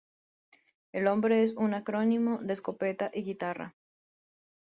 El nombre es un acrónimo de "escopeta" y "guitarra".